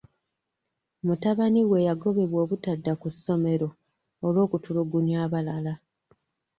Mutabani we yagobebwa obutadda ku ssomero olw'okutulugunya abalala.